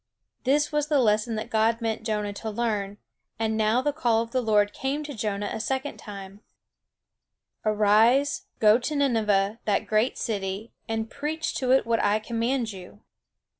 This was the lesson that God meant Jonah to learn; and now the call of the Lord came to Jonah a second time: "Arise, go to Nineveh, that great city, and preach to it what I command you."